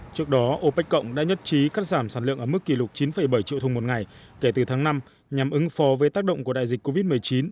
trước đó opec cộng đã nhất trí cắt giảm sản lượng ở mức kỷ lục chín bảy triệu thùng một ngày kể từ tháng năm nhằm ứng phó với tác động của đại dịch covid một mươi chín